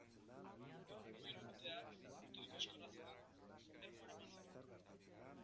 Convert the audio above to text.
Gerrako hiru urteak, mutil koxkorra zela, Ermuan eman zituen.